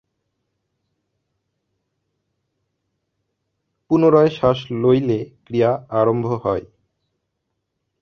পুনরায় শ্বাস লইলে ক্রিয়া আরম্ভ হয়।